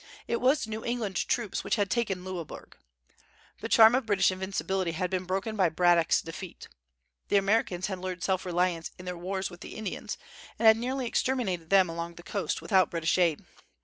It was New England troops which had taken Louisburg. The charm of British invincibility had been broken by Braddock's defeat. The Americans had learned self reliance in their wars with the Indians, and had nearly exterminated them along the coast without British aid.